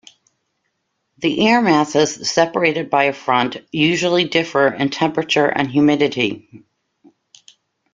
The air masses separated by a front usually differ in temperature and humidity.